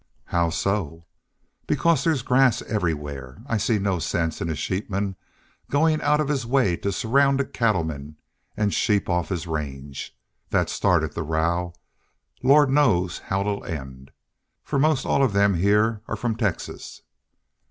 "How so?" "Because there's grass everywhere. I see no sense in a sheepman goin' out of his way to surround a cattleman an' sheep off his range. That started the row. Lord knows how it'll end. For most all of them heah are from Texas."